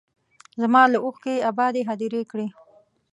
زما له اوښکو یې ابادې هدیرې کړې